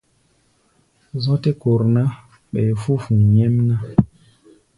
Zɔ̧́ tɛ́ kor ná, ɓɛɛ fú̧ fu̧u̧ nyɛ́mná.